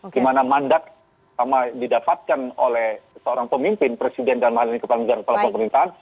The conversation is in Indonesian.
di mana mandat sama didapatkan oleh seorang pemimpin presiden dan kepalanya kepala pemerintahan